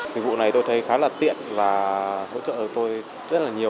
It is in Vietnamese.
dịch vụ này tôi thấy khá là tiện và hỗ trợ cho tôi rất là nhiều